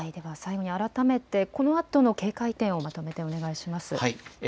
改めてこのあとの警戒点をまとめてお願いします。